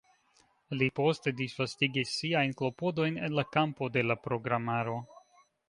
Li poste disvastigis siajn klopodojn en la kampo de la programaro.